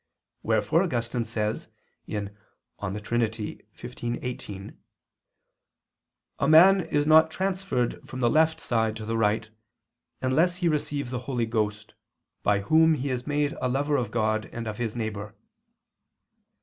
Wherefore Augustine says (De Trin. xv, 18): "A man is not transferred from the left side to the right, unless he receive the Holy Ghost, by Whom he is made a lover of God and of his neighbor."